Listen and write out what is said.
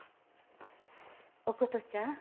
お琴ちゃん